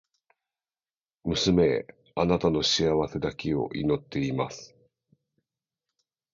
娘へ、貴女の幸せだけを祈っています。